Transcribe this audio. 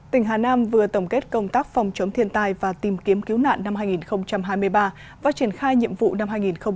tỉnh hà nam vừa tổng kết công tác phòng chống thiên tai và tìm kiếm cứu nạn năm hai nghìn hai mươi ba và triển khai nhiệm vụ năm hai nghìn hai mươi bốn